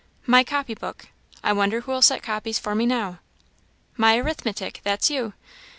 My copy book I wonder who'll set copies for me now; my arithmetic, that's you!